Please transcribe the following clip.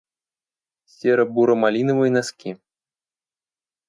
Серо-буро-малиновые носки